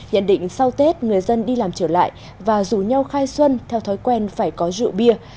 nhận định sau tết người dân đi làm trở lại và rủ nhau khai xuân theo thói quen phải có rượu bia